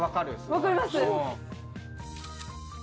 分かります？